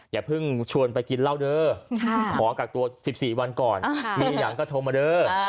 อย่าเพิ่งชวนไปกินเหล้าเด้อขอกักตัว๑๔วันก่อนมีหนังก็โทรมาเด้อ